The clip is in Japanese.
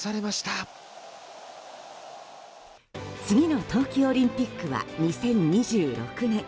次の冬季オリンピックは２０２６年。